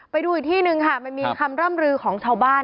ไปดูอีกที่หนึ่งค่ะมันมีคำร่ำรือของชาวบ้าน